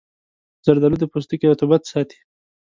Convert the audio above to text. زردآلو د پوستکي رطوبت ساتي.